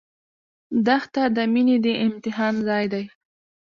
دښته د مینې د امتحان ځای دی.